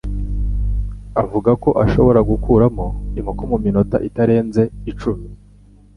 avuga ko ashobora gukuramo inkoko mu minota itarenze icumi.